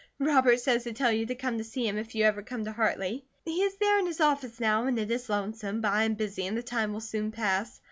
Robert says to tell you to come to see him if you ever come to Hartley. He is there in his office now and it is lonesome, but I am busy and the time will soon pass.